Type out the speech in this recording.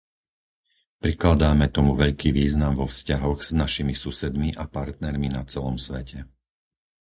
Prikladáme tomu veľký význam vo vzťahoch s našimi susedmi a partnermi na celom svete.